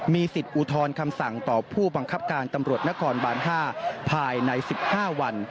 มีสิทธิ์อุทธรณ์คำสั่งต่อผู้บังคับการตำรวจนครบาน๕ภายใน๑๕วัน